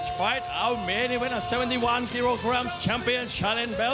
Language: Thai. สภายในช่วงต่อไป